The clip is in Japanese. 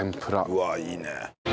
うわあいいね。